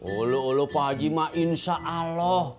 allah allah pak haji ma'a insya allah